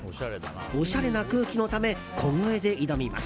おしゃれな空気のため小声で挑みます。